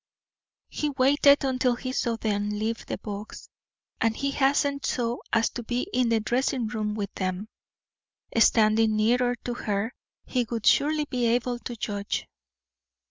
He waited until he saw them leave the box, and he hastened so as to be in the dressing room with them. Standing nearer to her, he would surely be able to judge.